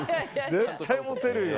絶対モテるよ。